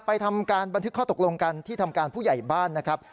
ทำการบันทึกข้อตกลงกันที่ทำการผู้ใหญ่บ้านนะครับ